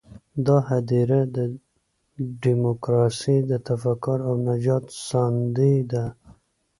دا هدیره د ډیموکراسۍ د تفکر د نجات ساندې ده.